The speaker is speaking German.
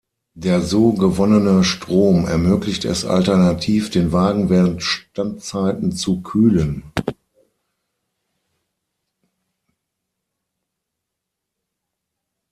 Der so gewonnene Strom ermöglicht es alternativ, den Wagen während Standzeiten zu kühlen.